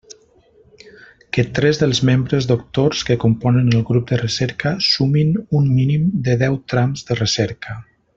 Que tres dels membres doctors que componen el grup de recerca sumin un mínim de deu trams de recerca.